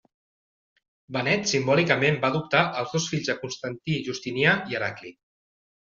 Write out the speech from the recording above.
Benet simbòlicament va adoptar els dos fills de Constantí Justinià i Heracli.